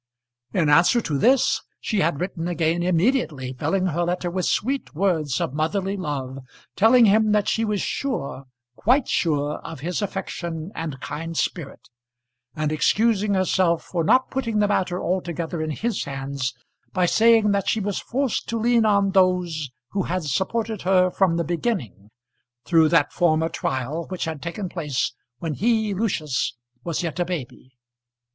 In answer to this, she had written again immediately, filling her letter with sweet words of motherly love, telling him that she was sure, quite sure, of his affection and kind spirit, and excusing herself for not putting the matter altogether in his hands by saying that she was forced to lean on those who had supported her from the beginning through that former trial which had taken place when he, Lucius, was yet a baby.